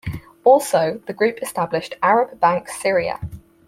Also, the group established Arab Bank-Syria.